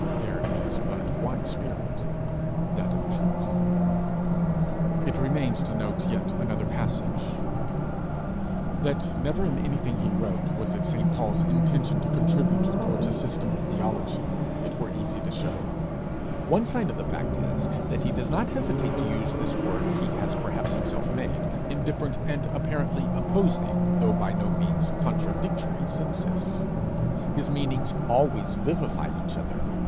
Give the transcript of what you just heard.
There is but one spirit, that of truth. It remains to note yet another passage. That never in anything he wrote was it St. Paul's intention to contribute towards a system of theology, it were easy to show: one sign of the fact is, that he does not hesitate to use this word he has perhaps himself made, in different, and apparently opposing, though by no means contradictory senses: his meanings always vivify each other.